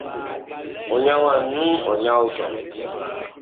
O nyawan nun o nyawitoo.